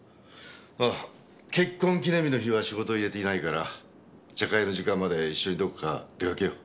結婚記念日の日は仕事入れていないから茶会の時間まで一緒にどこか出かけよう。